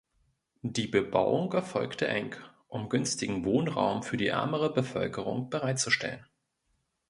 Die Bebauung erfolgte eng, um günstigen Wohnraum für die ärmere Bevölkerung bereitzustellen.